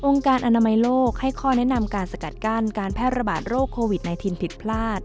การอนามัยโลกให้ข้อแนะนำการสกัดกั้นการแพร่ระบาดโรคโควิด๑๙ผิดพลาด